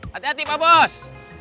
hati hati pak bos